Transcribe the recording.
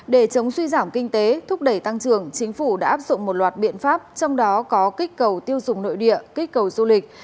để chống suy giảm kinh tế thúc đẩy tăng trưởng chính phủ đã áp dụng một loạt biện pháp trong đó có kích cầu tiêu dùng nội địa kích cầu du lịch